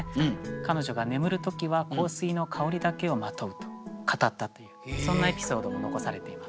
彼女が眠る時は香水の香りだけをまとうと語ったというそんなエピソードも残されています。